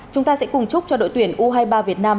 chúng ta sẽ cùng chúc cho đội tuyển u hai mươi ba việt nam